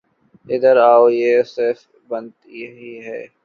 ادھر آؤ، یہ صفیہ بنت حیی ہیں